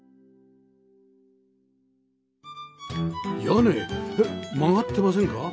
屋根えっ曲がってませんか？